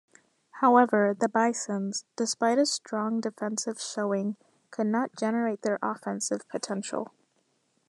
However, the Bisons, despite a strong defensive showing, could not generate their offensive potential.